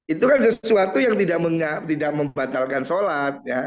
itu kan sesuatu yang tidak membatalkan sholat